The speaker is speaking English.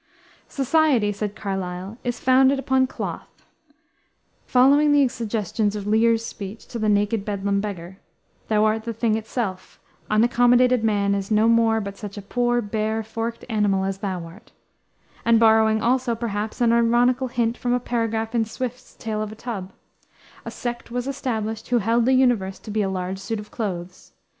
"Society," said Carlyle, "is founded upon cloth," following the suggestions of Lear's speech to the naked bedlam beggar: "Thou art the thing itself: unaccommodated man is no more but such a poor, bare, forked animal as thou art;" and borrowing also, perhaps, an ironical hint from a paragraph in Swift's Tale of a Tub: "A sect was established who held the universe to be a large suit of clothes.